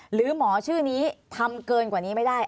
หรือหมอชื่อนี้ทำเกินกว่านี้ไม่ได้